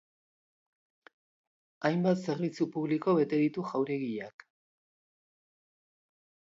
Hainbat zerbitzu publiko bete ditu jauregiak.